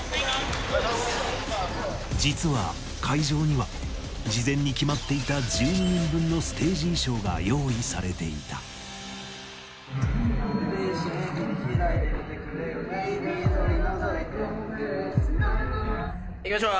実は会場には事前に決まっていた１２人分のステージ衣装が用意されていたいきましょう！